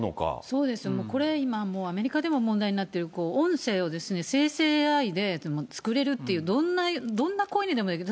そうですよ、これもう、アメリカでも問題になってる、音声を、生成ＡＩで作れるっていう、どんな声にでもできる。